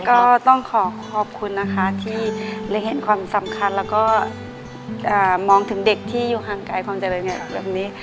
ก็ต้องขอขอบคุณนะคะที่ได้เห็นความสำคัญแล้วก็มองถึงเด็กที่อยู่ห่างไกลความเจริญแบบนี้